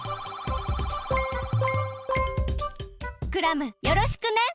クラムよろしくね！